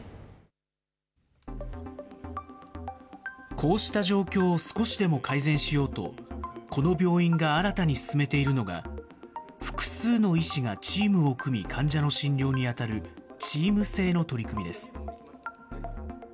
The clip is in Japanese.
こうした状況を少しでも改善しようと、この病院が新たに進めているのが、複数の医師がチームを組み、患者の診療に当たるチーム制の取り組みです。